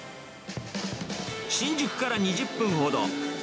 新宿から２０分ほど。